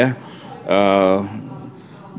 dan akan berjaga jaga